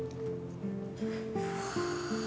うわ！